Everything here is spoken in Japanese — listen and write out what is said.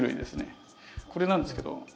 これなんですけど。